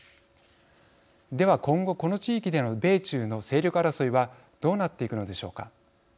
では今後、この地域での米中の勢力争いはどうなっていくのでしょうか。